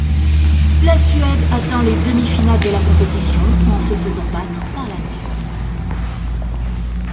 La Suède atteint les demi-finales de la compétition, en se faisant battre par l'Allemagne.